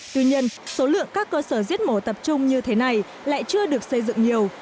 tuy nhiên số lượng các cơ sở giết mổ tập trung như thế này lại chưa được xây dựng nhiều